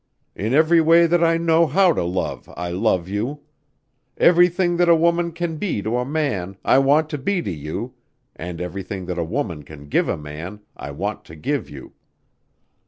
In every way that I know how to love, I love you. Everything that a woman can be to a man, I want to be to you, and everything that a woman can give a man, I want to give you."